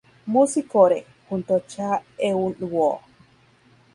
Music Core" junto a Cha Eun-woo.